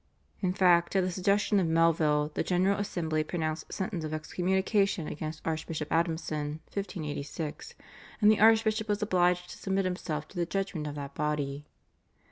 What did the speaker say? In fact, at the suggestion of Melville, the General Assembly pronounced sentence of excommunication against Archbishop Adamson (1586), and the archbishop was obliged to submit himself to the judgment of that body.